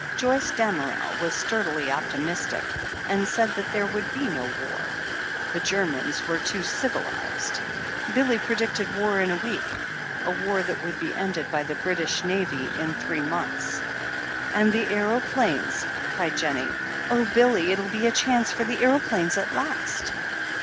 Joyce Damerel was sturdily optimistic, and said that there would be no war. The Germans were too civi lized. Billy predicted war in a week —^. war that would be ended by the British Navy in three Qionths. "And the aeroplanes !" cried Jennie. "Oh, Billy, it'll be a chance for the aeroplanes at last."